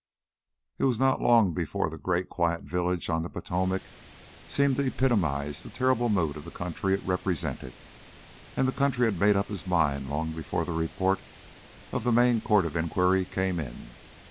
It was not long before the great quiet village on the Potomac seemed to epitomize the terrible mood of the country it represented, and the country had made up its mind long before the report of the Maine Court of Inquiry came in.